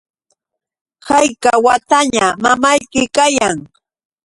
¿hayka wataña mamayki kayan?